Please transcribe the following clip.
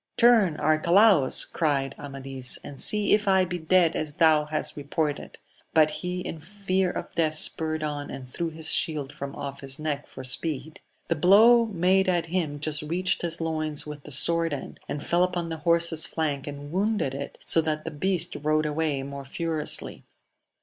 Turn, Arcalaus, cried Ama dis, and see if I be dead as thou hast reported ! but he in fear of death spurred on, and threw his shield from off his neck for speed. The blow made at him just reached his loins with the sword end, and fell upon the horse's flank and wounded it, so that the beast rode away more furiously.